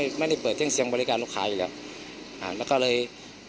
จนใดเจ้าของร้านเบียร์ยิงใส่หลายนัดเลยค่ะ